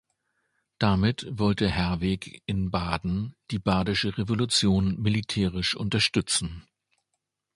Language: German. Damit wollte Herwegh in Baden die Badische Revolution militärisch unterstützen.